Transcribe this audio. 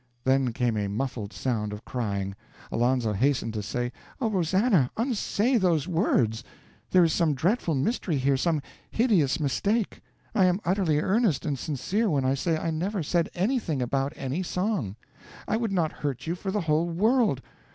Then came a muffled sound of crying. Alonzo hastened to say: "Oh, Rosannah, unsay those words! There is some dreadful mystery here, some hideous mistake. I am utterly earnest and sincere when I say I never said anything about any song. I would not hurt you for the whole world....